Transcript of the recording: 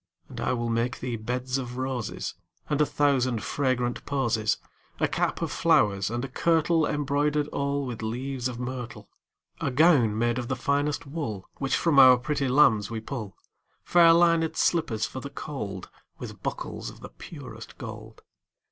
And I will make thee beds of roses And a thousand fragrant posies; 10 A cap of flowers, and a kirtle Embroider'd all with leaves of myrtle. A gown made of the finest wool Which from our pretty lambs we pull; Fair linèd slippers for the cold, 15 With buckles of the purest gold.